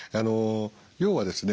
要はですね